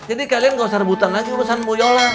jadi kalian nggak usah rebutan lagi urusan bu yola